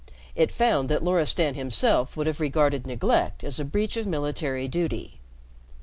It found that Loristan himself would have regarded neglect as a breach of military duty.